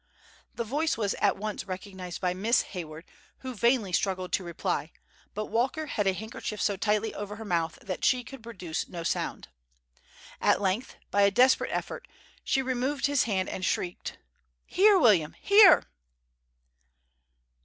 The voice was at once recognized by Miss Hayward, who vainly struggled to reply; but Walker held a handkerchief so tightly over her mouth that she could produce no sound. At length, by a desperate effort, she removed his hand and shrieked: "Here, William! here!"